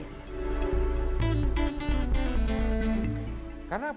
jalur perdagangan berantas